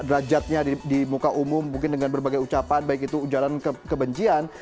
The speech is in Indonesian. rajatnya di muka umum mungkin dengan berbagai ucapan baik itu ujalan kebencanaan